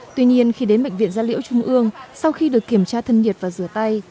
tuy nhiên khi đến bệnh viện gia liễu trung ương sau khi được kiểm tra thân nhiệt và rửa tay